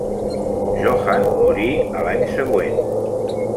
Johann morir a l'any següent.